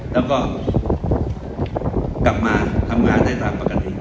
แล้วก็กลับมาทำงานได้ตามปกติ